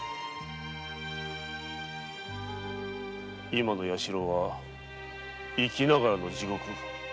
今の弥四郎は生きながらの地獄。